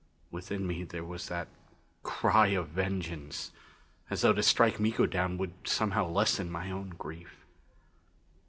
Within me there was that cry of vengeance, as though to strike Miko down would somehow lessen my own grief.